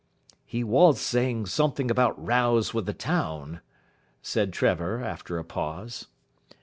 "He was saying something about rows with the town," said Trevor, after a pause.